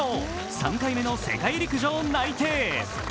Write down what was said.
３回目の世界陸上内定。